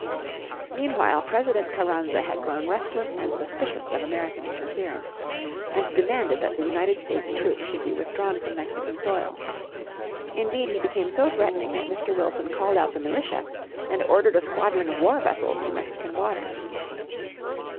Meanwhile President Carranza had grown restless and suspicious of American interferences, and demanded that the United States troops should be withdrawn from Mexican soil. Indeed he became so threatening that Mr. Wilson called out the militia, and ordered a squadron of war vessels to Mexican waters.